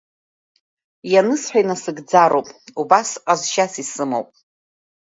Ианысҳәа инасыгӡароуп, убас ҟазшьас исымоуп.